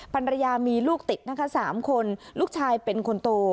ภรรยามีลูกติดนะคะ๓คนลูกชายเป็นคนโต